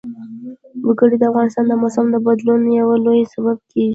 وګړي د افغانستان د موسم د بدلون یو لوی سبب کېږي.